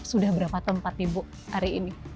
sudah berapa tempat ibu hari ini